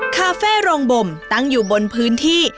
คาเฟ่โรงบมตั้งอยู่บนพื้นที่